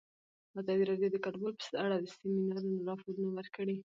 ازادي راډیو د کډوال په اړه د سیمینارونو راپورونه ورکړي.